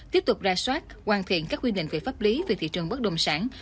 tiếp tục ra soát hoàn thiện các quy định về pháp lý về thị trường bất động sản